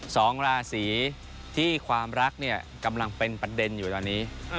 สองราศีที่ความรักเนี่ยกำลังเป็นประเด็นอยู่ตอนนี้